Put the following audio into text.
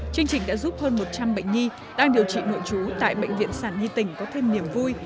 chương trình đã giúp hơn một trăm linh bệnh nhi đang điều trị nội trú tại bệnh viện sản nhi tỉnh có thêm niềm vui